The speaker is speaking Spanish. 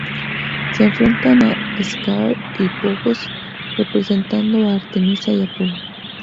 Se enfrentan a Skaar y Phobos, representando a Artemisa y Apolo.